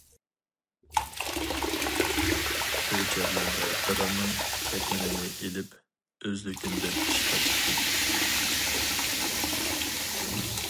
بۇ جەرياندا دادامنىڭ كەتمىنىنى ئېلىپ ئۆزلۈكۈمدىن ئىشقا چىقتىم.